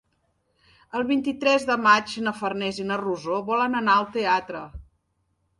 El vint-i-tres de maig na Farners i na Rosó volen anar al teatre.